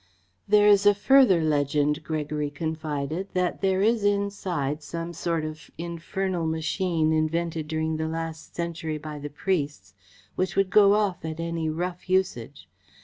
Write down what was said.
"There is a further legend," Gregory confided, "that there is inside some sort of infernal machine invented during the last century by the priests, which would go off at any rough usage.